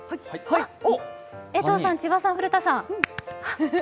江藤さん、千葉さん、古田さん。